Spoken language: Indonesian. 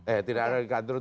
eh tidak ada lagi kadrun